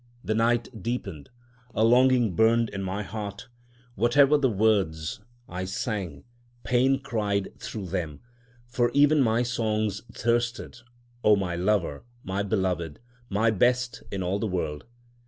The night deepened, a longing burned in my heart. Whatever the words I sang, pain cried through them—for even my songs thirsted— O my Lover, my Beloved, my Best in all the world.